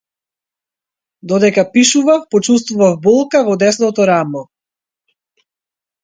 Додека пишував чуствував болка во десното рамо.